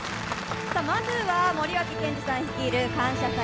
まずは森脇健児さん率いる「感謝祭」